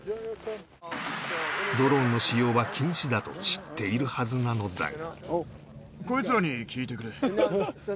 ドローンの使用は禁止だと知っているはずなのだが